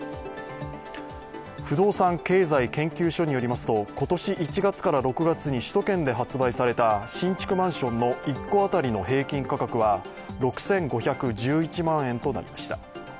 不動産経済研究所によりますと今年１月から６月に首都圏で発売された新築マンションの一戸当たりの平均価格は６５１１万円となりました。